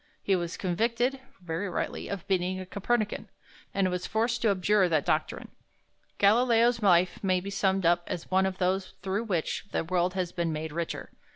He was convicted (very rightly) of being a Copernican, and was forced to abjure that doctrine. Galileo's life may be summed up as one of those through which the world has been made richer.